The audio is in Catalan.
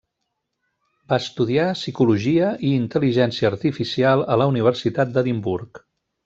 Va estudiar psicologia i intel·ligència artificial a la Universitat d'Edimburg.